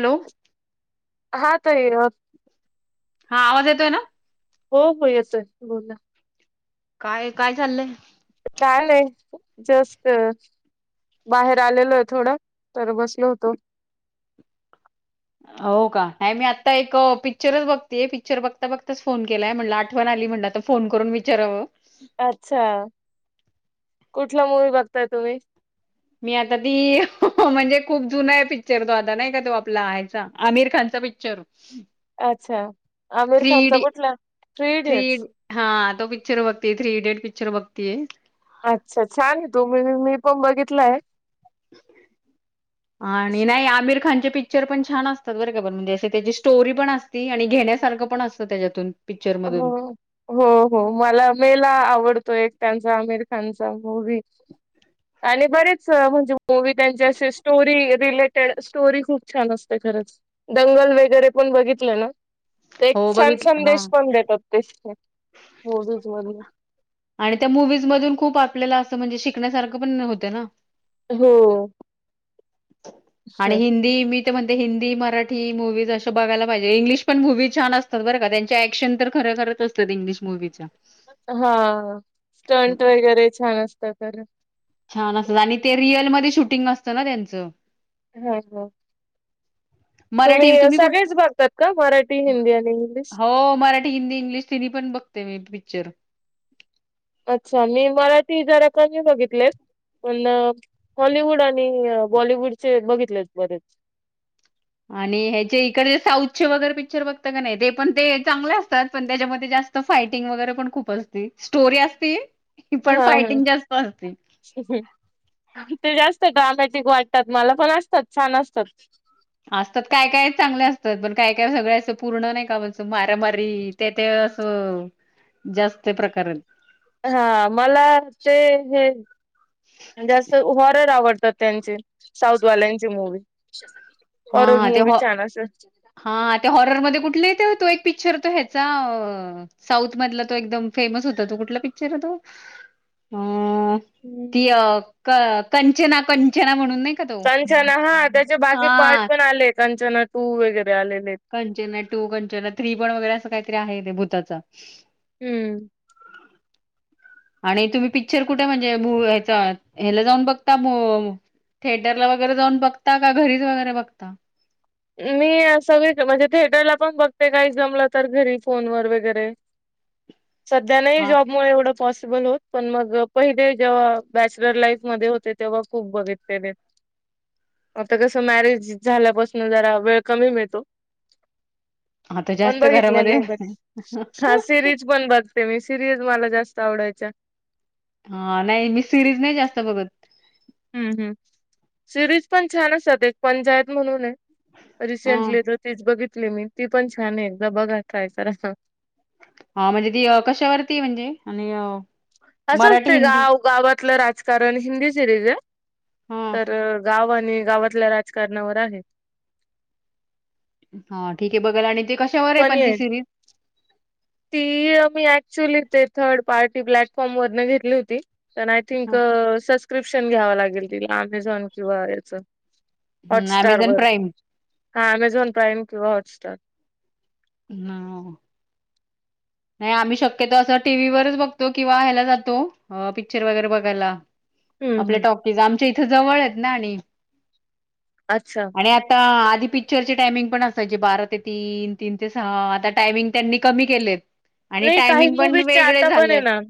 Hello. हा तई. हा आवाज येतोय ना. हो, हो, ऐतोय, बोला. काय, काय चाललंय. लेय जास्त बाहेर आलेलो आहे थोडं तर बसलो होतो. [inaudible] हो का नाही मी आता एक पिक्चरच बघतेय पिक्चर बघता बघताच फोन केलाय म्हणलं आठवण आ ली म्हणलं आता फोन करून विचाराव. अच्छा कुठला मूवी बघताय तुम्ही. मी आता ती म्हणजे खूप जुनाय आहे पिक्चर तो आता नाही का तो आपला हेचा आमिर खानचा. तो पिचर. अच्छा आमिर खानचा इडी कुठला. थ्री हा तो पिक्चर बघतीय थ्री इडियट पिक्चर बघतीय. अच्छा छान आहे तो म मी पण बघितलाय. आणि नाही आमिर खान चे पिक्चर पण छान असतात बरर म्हणजे असे त्याची स्टोरी पण असती आणि घेण्यासारखं पण असतं त्याच्यातून. पिक्चर हो मधून हो हो मला लय ला आवडतो. तो एक त्यांचा आमिर खानचा मूवी आणि बरेच म्हणजे मूवी त्यांच्याशी स्टोरी रिलेट टेड स्टोरी खूप छान असते खरंच, दंगल वगैरे पण बघितलं ना. एक हो छान बघितलं हा संदेश पण देतात ते मूवीज मधुण. आणि त्या मुूवीज मधून खूप आपल्याला असं म्हणजे शिकण्यासारखं पण होतं ना. हो. आणि हिंदी मी ते म्हण हिंदी मराठी मुव्हीज असं बघायला पाहिजे इंग्लिश पण मुव्ही छान असतात बरं का त्यांच्या ऍक्शन तर ख तरनाक असत इंगलिश मूवीच्या. हा स्टंट वगैरे छान असत तर छान असत आणि ते रिअलमध्येध्ये शूटिंग असतं ना त्यांचं. हम् हम्. मराठी तुम्ही कुठ बघतात का मराठी हिंदी आणि इंग्लिश हो मराठी, हिंदी, इंग्लिश तीन्ही पण बघते मी पिक्चर. अच्छा मी मराठी जरा कमी बघितलेत. पण हॉलिवूड आणि बॉलिवूडचे बघितलेत बरेच. आणि ह्याचे इकडेे साऊथ चे वगैरे पिक्चर बघत का नाही ते पण ते चांगले असतात पण त्याच्यामध्ये जास्त फायटिंग वगैरे पण खूप असती स्टोरी असती. हा हा ते जास्त ड्रमॅंटिक वाट तात मला पण असतात छान असतात. असतात काय काय चांगले असतात पण काय काय सगळ्याच पूर्ण नाही का म्हण मारामारी त्या त्या ते आस जास्त प्रकार हायत. हा मला ते हे तर त्यांची साऊथवाल्यांची मूवी. हॉरर हा ते मूवी छान हा त्या हॉररमध्ये कुठले? तो एक पिक्चर तो ह्याचा साऊथ मधला तो एकदम फेमस होता तो कुठला पिक्चर आहे तो. अ असं ती अ कंचना कंचना म्हणून नाही. का तो कंचना हा त्याचे बाकी पार्ट हां पण आले कंचना टू वगैरे. आलेले. कंचना टू कंचना थ्री पण वगैरे असं काहीतरी आहे ते भुताचा हम्म. आणि तुम्ही पिकच्चर कुठे म्हणजे भू ह्याचा ह्यला जाऊन बघता ब थिएटरला वगैरे जाऊन बघता का घरीच वगैरे बघता. मी सगळे म्हणजे थिएटरला पण बघते काही जमलं तर घरी फोन व वगैरे. [inaudible] सध्या नाही हां जॉबमुळे एवढं पॉस [unintelligible] होत पण मग पहिले जेव्हा बॅचलर लाईफ मध्ये होते तेव्हा खूप बघितलेले. [inaudible] आता कसं मॅरेज झाल्यापासून जरा वेळ कमी मिळतो. आता पण जास्त बघितल्या घरामध्ये नाही, बर ह सिरीज पण बघ. सेमी सिरिज मला जास्त आवडायच्या. हा नाही मी सिरीज नाही जास्त बघत. हम्म हम् सिरीज पण छान असतात. एक पंचायत म्हणून आहे. हां, रिसेंटली जो तीच बघितली मी. ती पण छान आहे एकदा बघा काय करा. हा म्हणजे ती कशावरती म्हणजे? आणि असं मराठी, असते हिंदी? गाव, गावातलं राजकारण हिंदी सिरीज आहे. हां, तर गाव आणि गावातल्या राजकारणावर आहे. हा ठीक आहे. बघाल आणि ते कशावर आहे पण ती सिरीज? ती मी ऍक्च्युअली ते थर्ड पार्टी प्लॅटफॉर्म वरन घेतली होती. प आय थिंक हं, सबस्क्रिप्शन घ्यावं लागेल तिला. अमेझॉन किंवा याचं. हम्म अमेझॉन प्राईम? हा अॅमेझॉन प्रईम किंवा हॉटस्टार. हं. नाही, आम्ही शक्यतो असं टीव्हीवररच बघतो किंवा ह्यायला जातो पिक्चर वगैरे बघायला. हम्म आपल्या हम्म टॉकीज आमच्या इथं जवळ आहेत ना आणि. अच्छा आणि आता आ आधी पिक्चरचे टायमिंग पण असायचे बारा ते तीन तीन ते सहा आता टायमिंग त्यांनी कमी केलेत. आणि नाही काही टायमिंग पण मूवीचे वेगळे आता बने झालेत. ना.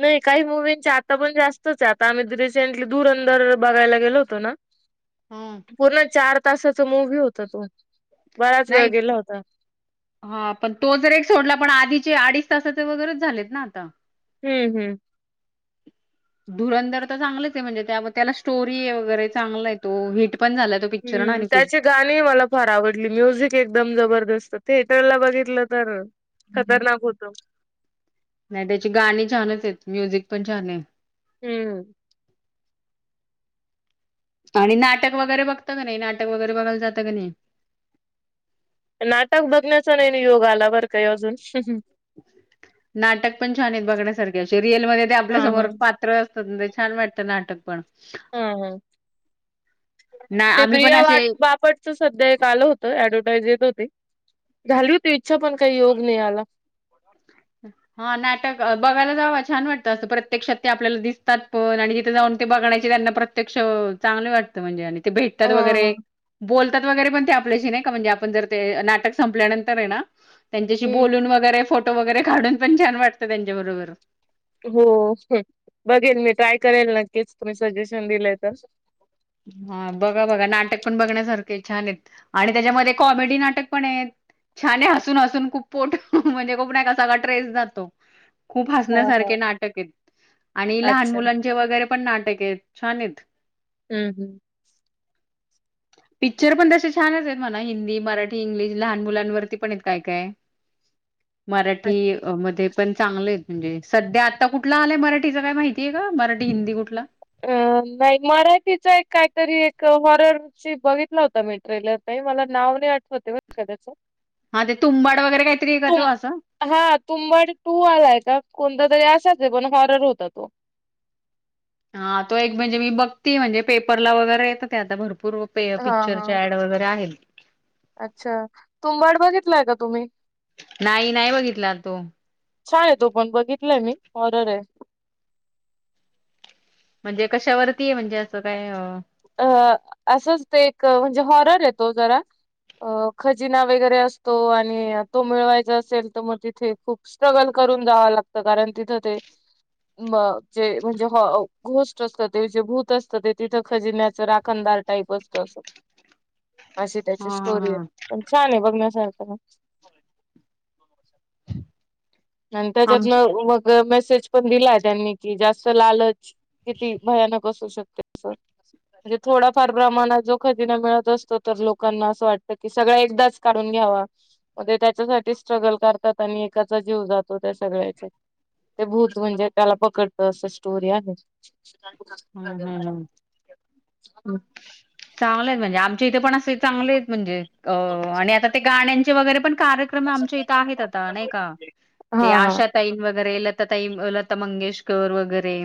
नाही काही मुूवींचे आता पण जास्तच आता आम्ही द धुरंदर बघायला गेलो होतो ना. हं, तर पूर्ण चार ते तासाचा मुव्ही होता तो. बराच वेळ नाही, गेला होता. हा पण तो जर एक सोडला पण आधी ते अडीच तासाचे वैगेरे झालेत ना आता? हम्म हम्म. धुरंधर तर चांगलेच आहे, म्हणजे त्याला स्टोरी वगैरे चांगल हाय तो हिट पण झाला तो पिक्चर ना हम्म आणि खूप. त्याची गाणी मला फार आवडली म्युझिक एकदम जबरदस्त. थेटरला बघितलं तर खतरनाक होत. नाही त्याची गाणी छानच आहेत. म्युझिक पण छान आहे. हम्म. आणि नाटक वगैरे बघता का नाही? नाटक वगैरे बघायला जातं क नाही? नाटक बघण्याचा नाही योग आला बरं काय अजून. नाटक पण छान हाय बघण्यासारखे असे रिअलमध्ये ते आपल्या हा समोर हा पात्र संध छान वाटतं नाटक पण. हम्म हम्म. ना ते आम्ही पण प्रिया असे बापटच सध्या एक आलं होतं. ऍडव्हटाईज येत होत. ते, झााली होती इच्छा पण काही योग नाही आला. हा नाटक बघायला जाव छान वाटतं अस प्रत्यक्षात ते आपल्याला दिसतात पण. आणि जिथे जाऊन ते बघण्याची त्यांना प्रत्यक्ष चांगलं वाटतं,. म्हणजे आणि ते हा भेटतात हा वगैरे बोलतात. वगैरे पण ते आपल्याशी नाही का? म्हणजे आपण जर ते नाटक संपल्यानंतर आहे ना त्यांच्याशी हम्म बोलून वगैरे फोटो वगैरे काढून पण छान वाटतं त्यांच्या बरोबर. हो. बघेल मी ट्राय करेल नक्कीच तुम्ही सजेशन दिलंय तर. हा बघा बघा नाटक. पण बघण्यासारखे छान आहेत. आणि त्याच्यामध्ये कॉमेडी नाटक पण आहे छान हसून हसून खूप पोट म्हणजे खूप नाहीका सगळा ट्रेस जातो. खूप हा हा हसण्यासारखे नाटक आहेत आणि लहान अच्छा मुलांचे वगैरे पण नाटक आहेत छान आहेत. हम्म हम्म. पिक्चर पण तसे छानच आहेत. म्हणा हिंदी मराठी इंग्लिश लहान मुलांवरती पण आहेत काय काय मराठी मध्ये, पण चांगलं आहेत म्हणजे सध्या आता कुठला आलंय मराठीचा काय माहितीय का मराठी, हिंदी कुठला अ नाही मराठीचा एक काहीतरी एक हॉरर बघितला होता मी ट्रेलर मला नाव नाही आठवत बर का त्याच हा ते तुंबाड वगैरे काहीतरी आहे का तु तो असं हा तुंबड टू आलाय का कोणता असशाच पण हॉरर होता तो हा तो एक म्हणजे मी बघतीये म्हणजे पेपरला वगैरे येतं ते आता भरपूर पूर्व पे हा हा पिक्चरच्या ऍड वगैरे आहे अच्छा तुंबाड बघितलाय का तुम्ही? नाही नाही बघितला तो छान आहे तो पण बघितलाय मी हॉरर आहे म्हणजे कशावरती म्हणजे असं काय- अ असंच ते एक म्हणजे हॉरर येतो जरा अ खजिना वगैरे असतो आणि तो मिळवायचा असेल तर मगं तिथे खूप स्ट्रगल कर करून जाव लागत कारण तिथं ते मगं जे म्हणजे घोस्ट असत ते जे भूत असतं ते तिथं खजिन्याच राखणदार टाईप असत असं अशी त्याची हा हा स्टोरी आहे हा पण छान आहे बघण्यासारख आणि त्यातन आमच्या मगं मेसेज पण दिला त्यांनी कि जास्त लालच किती भयानक असू शकते म्हणजे थोडाफार प्रमाणात जो खजिना मिळत असतो तर लोकांना असं वाटतं की सगळ्या एकदाच काढून घ्यावा मगं ते त्याच्यासाठी स्ट्रगल करतात आणि एकाचा जीव जातो त्या सगळ्याचे ते भूत म्हणजे त्याला पकडतं अस स्टोरी आहे हम्म हम्म हम्म चांगले आहेत म्हणजे आमच्या इथे पण असे चांगले हायत म्हणजे अ आणि आता ते गाण्यांचे वगरे पण कार्यक्रम आमच्या इथं आहेत आता नाइ का? हा ते हा आशा ताई वगरे ल लता ताई लता मंगेशकर वग रे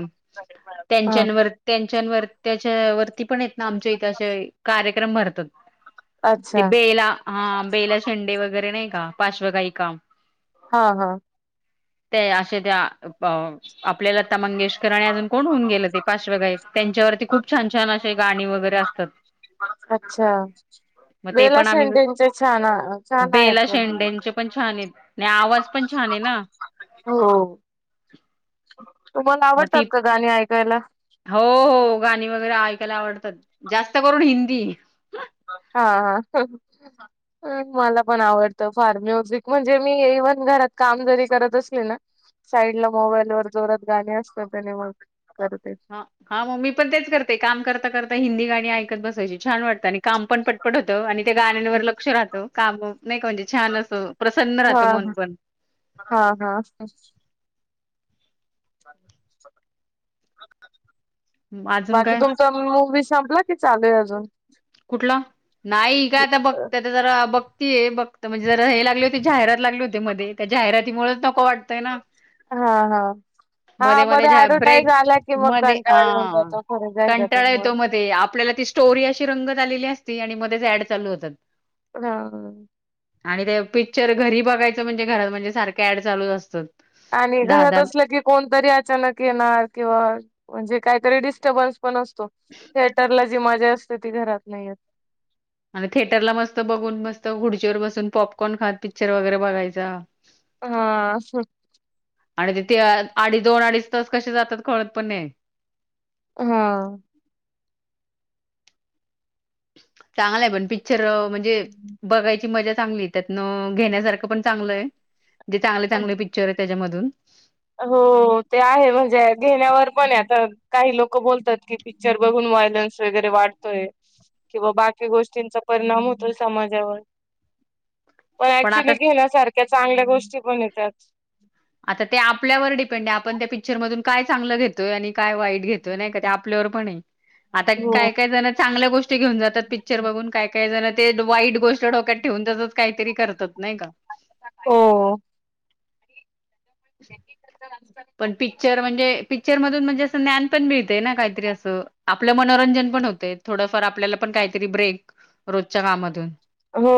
हा. तेच्यानवर तेच्यानवर त्याच्यावर ती पण येत ना इथे असे कार्यक्रम भरतात. ते अच्छा बेला हा बेला शेंडे वगरे नाइ का? पाशवं गायिका हा हा. ते अशा त्या अं आपल्या लता मंगेशकर आणि अजून कोण होऊन गेले ते पार्शवगायीक तेच्यावरती खूप छान छान असे गाणी वगरे असतात. अच्छा. मग ते बेला पण आम्ही शेटेच छाना छान आहेत बेला गाणी शेंडेंचे पण छान आहेत आणि आवाज पण छान हाय ना. हो. तुम्हाला मग ती आवडतात का गाणी ऐकायला हो हो. गाणी वगरे ऐकायला आवडतात जास्त करून हिंदी हा हा. मला पण आवडतं फार म्युझिक म्हणजे मी इव्हन घरात काम जरी करत असले ना. साईड ला मोबाईल वर जोरात गाणी असत त्याने मग करते हा हा म मी पण तेच करते काम करता करता हिंदी गाणी ऐकत बस जे छान वाटत आणि काम पण पटपट होतं आणि ते गाण्यांवर लक्ष राहत काम [unintelligible] नाइ क म्हणजे छान असं प्रसन्न राहत हा मन पण हा हा. अजून बाकी काय तुमचा मूवी संपला की चालूय अजून कुठला नाई काय आता बघ [unintelligible] जरा बघतीय बघत म्हणजे जरा हे लागली होती जाहिरात लागली होते मध्ये त्या जाहिरातीमुळेच नको वाटतय ना. हा हा हा मध्ये मध्ये ज्या ऍडव्हटाईज ब्रेक आला की मग मध्ये अ कंटाळा येऊन जातो खरं कंटाळा येतो जाहिरातीमुळे मध्ये आपल्याल ती स्टोरी अशी रंगत आलेली असती आणि मध्येच अँड चालू होत्यात. हं. आणि ते पिक्चर घरी बघायचं म्हणजे घरात म्हणजे सारखे ऍड चालूचं असत्यात. आणि घरात असलं की कोणतरी अचानक येणार किंवा म्हणजे कायतरी डिस्टर्बन्स पण असतो थेटरला जी मजा असते ती घरात नाइ येत. आणि थेटरला मस्त बघून मस्त खुडचीवर बसून पॉपकॉर्न खात पिक्चर वगरे बघायचा. हा आ. आणि तिथे अडी दोन अडीच तास कसे जातात कळत पण नाइ. हा. चांगलाय पण पिक्चर म्हणजे बघायची मज्जा चांगली आहे त्यात. न घेण्यासारखं पण चांगलंय जे चांगले चांगले पिच्चर तेज्यामधून हो ते आहे म्हणजे घेण्यावर पणाय तर काही लोक बोलतात की पिक्चर बघून व्हायलन्स वगरे वाढतोय. किंवा बाकी गोष्टींचा परिणाम होतोय समाजावर [inaudible] पण आता ऍक्च्युली घेण्यासारख्या चांगल्या गोष्टी पण त्यात आता ते आपल्यावर डिपेंडाय आपण त्या पिक्चरमधून काय चांगलं घेतोय आणि काय वाईट घेतोय नाइ का ते आपल्यावर पणये. आता हो काय काय जण चांगल्या गोष्टी घेऊन जातात पिक्चर बघून काय काय जण ते वाईट गोष्ट डोक्यात ठेवून तेज्ज काय तरी करतात नाइ का? हो. पण पिक्चर म्हणजे पिक्चर मधून अस ज्ञान पण मिळत ना काहीतरी अस आपलं मनोरंजन पण होतं थोडंफार आपल्याला पण काहीतरी ब्रेक रोजच्या कामातून हो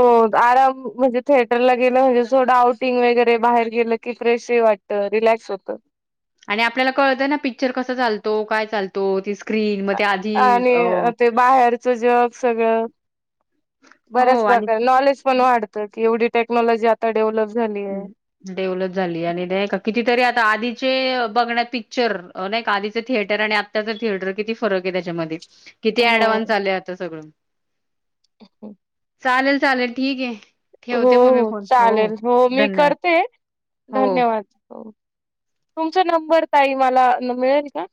आराम म्हणजे थिएटरला गेलं म्हणजे थोडं आउटिंग वगैरे बाहेर गेलं की फ्रेश वाटतं, रिलॅक्स होत आणि आपल्याला कळत ना पिक्चर कसं चालतो काय चालतो ती स्क्रीन मग ते आधी आणि अ ते बाहेरच जग सगळं बऱ्याच हो आणि प्रकारे नॉलेज पण वाढत की एवढी टेक्नॉलॉजी आता डेव्हलप झाली आहे. डेव्हलप झाली आणि नाही का किती तरी आता आधीचे बघण्यात पिक्चर नाही आधीचं थिएटर आणि आत्ताच थिएटर किती फरक आहे त्याच्यामध्ये किती अँडव्हान्स हो झालंय आता सगळं हो चालेल चालेल ठीक आहे. हो ठेवते मग मी हो फोन चालेल हो मी धन्यवाद करते हो धन्यवाद हो तुमचा नंबर ताई मला मिळेल का?